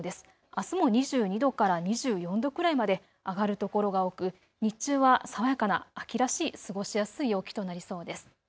あすも２２度から２４度くらいまで上がる所が多く日中は爽やかな秋らしい過ごしやすい陽気となりそうです。